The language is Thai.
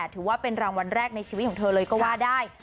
ถือว่าเป็นรางวัลแรกในชีวิตของเธอเลยก็ว่าได้